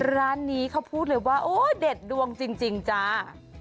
ร้านนี้เขาพูดเลยว่าโอ้เด็ดดวงจริงจ้า